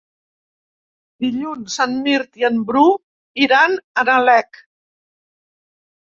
Dilluns en Mirt i en Bru iran a Nalec.